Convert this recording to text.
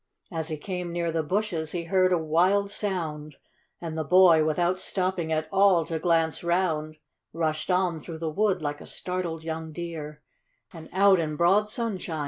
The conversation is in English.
119 As he came near the hushes he heard a wild sound, And the hoy, without stopping at all to glance round, Hushed on through the wood like a startled young deer, And out in broad sunshine.